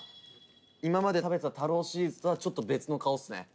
今まで食べた太郎シリーズとはちょっと別の顔ですね。